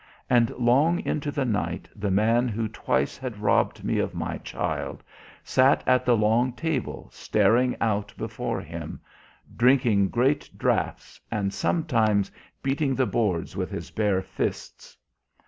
And long into the night the man who twice had robbed me of my child sat at the long table staring out before him, drinking great draughts and sometimes beating the boards with his bare fists.